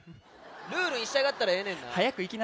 ルールにしたがったらええねんな。